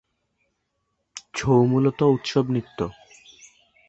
ছৌ মূলত উৎসব নৃত্য।